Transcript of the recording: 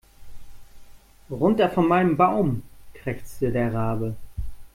Runter von meinem Baum, krächzte der Rabe.